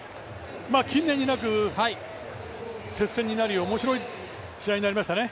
近年になく接戦になり面白い試合になりましたね。